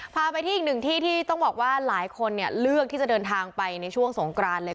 พาไปที่อีกหนึ่งที่ที่ต้องบอกว่าหลายคนเนี่ยเลือกที่จะเดินทางไปในช่วงสงกรานเลย